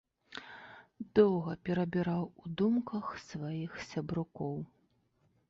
Доўга перабіраў у думках сваіх сябрукоў.